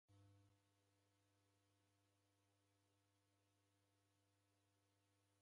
Mbuw'a yaw'o yechua mwachaka.